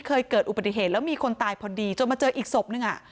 เคยเกิดอุบัติเหตุแล้วมีคนตายพอดีจนมาเจออีกศพนึงอ่ะ